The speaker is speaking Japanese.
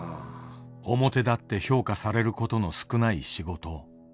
表立って評価されることの少ない仕事。